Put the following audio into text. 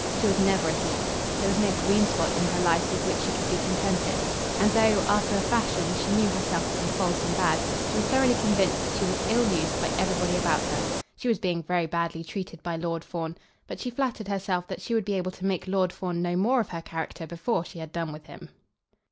She was never at ease. There was no green spot in her life with which she could be contented. And though, after a fashion, she knew herself to be false and bad, she was thoroughly convinced that she was ill used by everybody about her. She was being very badly treated by Lord Fawn; but she flattered herself that she would be able to make Lord Fawn know more of her character before she had done with him.